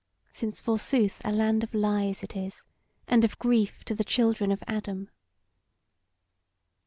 Since forsooth a land of lies it is, and of grief to the children of Adam."